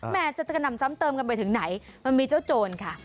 แม่จะกระหน่ำซ้ำเติมกันไปถึงไหนมันมีเจ้าโจรค่ะ